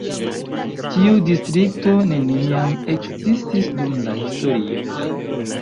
Tiu distrikto neniam ekzistis dum la historio.